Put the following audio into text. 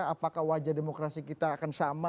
apakah wajah demokrasi kita akan sama